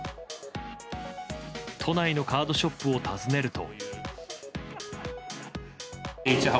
都内のカードショップを訪ねると。